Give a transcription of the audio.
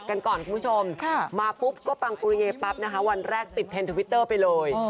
คุณผู้ชมมาปุ๊บก็ปังกุลเยปั๊บนะคะวันแรกติดเพลงทวิตเตอร์ไปเลย